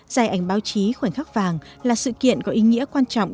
giải ảnh báo chí khoảnh khắc vàng là sự kiện có ý nghĩa quan trọng